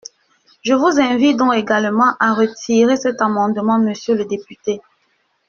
Je vous invite donc également à retirer cet amendement, monsieur le député.